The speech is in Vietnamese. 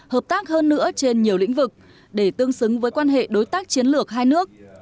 hợp tác hơn nữa trên nhiều lĩnh vực để tương xứng với quan hệ đối tác chiến lược hai nước